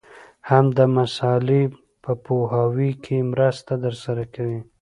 هم د مسألې په پوهاوي کي مرسته درسره کوي.